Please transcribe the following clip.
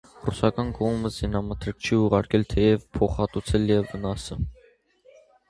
Ռուսական կողմը զինամփերք չի ուղարկել, թեև փոխհատուցել է վնասը։